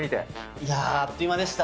いや、あっという間でした。